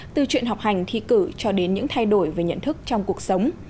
từ chuyện học hành thi cử cho đến những thay đổi về nhận thức trong cuộc sống